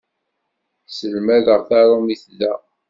Sselmadeɣ taṛumit da.